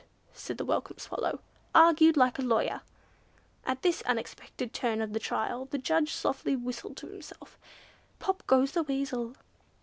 said the Welcome Swallow, "argued like a lawyer." At this unexpected turn of the trial the Judge softly whistled to himself, "Pop goes the weasel."